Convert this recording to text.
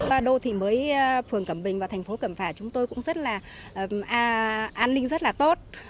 ba đô thị mới phường cẩm bình và thành phố cẩm phả chúng tôi cũng rất là an ninh rất là tốt